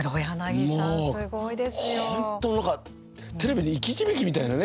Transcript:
もう、本当なんかテレビの生き字引みたいなね。